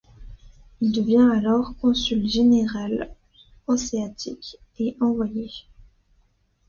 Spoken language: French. Il devient alors consul général hanséatique et envoyé.